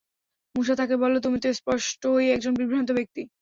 মূসা তাকে বলল, তুমি তো স্পষ্টই একজন বিভ্রান্ত ব্যক্তি।